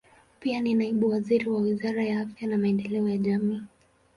Pia ni naibu waziri wa Wizara ya Afya na Maendeleo ya Jamii.